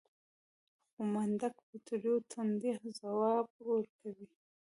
خو منډک په تريو تندي ځواب ورکړ.